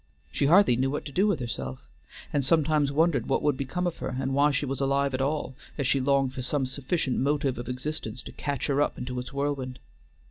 She hardly knew what to do with herself, and sometimes wondered what would become of her, and why she was alive at all, as she longed for some sufficient motive of existence to catch her up into its whirlwind.